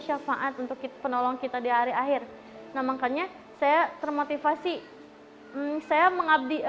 syafaat untuk penolong kita di hari akhir nah makanya saya termotivasi saya mengabdi